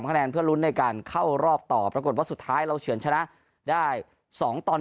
คะแนนเพื่อลุ้นในการเข้ารอบต่อปรากฏว่าสุดท้ายเราเฉือนชนะได้๒ตอน๑